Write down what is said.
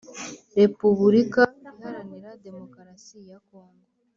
repuburika Iharanira Demokarasi ya Kongo